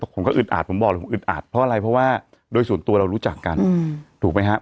ผมก็อึดอาดผมบอกเลยผมอึดอัดเพราะอะไรเพราะว่าโดยส่วนตัวเรารู้จักกันถูกไหมครับ